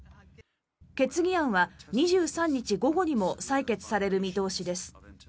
決議案は２３日午後にも採決される見通しです。